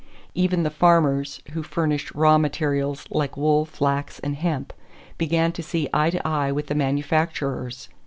Even the farmers who furnished raw materials, like wool, flax, and hemp, began to see eye to eye with the manufacturers.